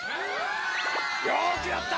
よくやった！